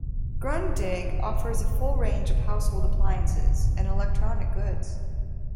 Grundig offers a full range of household appliances and electronic goods.